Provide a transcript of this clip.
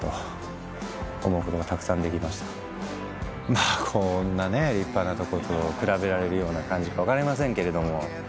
まぁこんなね立派なとこと比べられるような感じか分かりませんけれども。